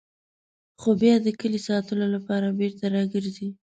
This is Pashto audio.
خو بیا د کلي ساتلو لپاره بېرته راګرځي.